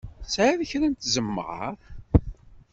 Tesɛiḍ kra n tzemmar?